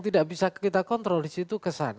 tidak bisa kita kontrol disitu kesan